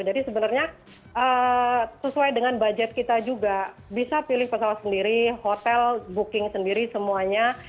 jadi sebenarnya sesuai dengan budget kita juga bisa pilih pesawat sendiri hotel booking sendiri semuanya